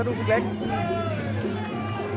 จัดสีบด้วยครับจัดสีบด้วยครับ